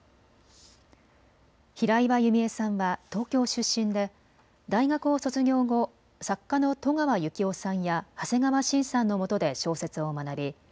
平岩弓枝さんは東京出身で大学を卒業後、作家の戸川幸夫さんや長谷川伸さんのもとで小説を学び